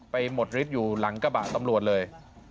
หมดฤทธิอยู่หลังกระบะตำรวจเลย